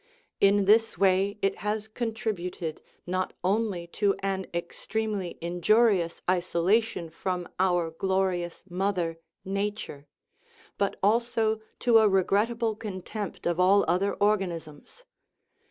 In this way it has contributed, not only to an extremely injurious isolation from our glorious mother " nature/' but also to a regrettable contempt of all other organ isms.